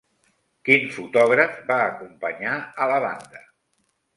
Quin fotògraf va acompanyar a la banda?